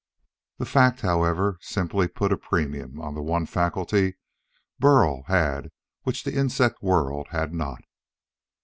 The fact, however, simply put a premium on the one faculty Burl had which the insect world has not.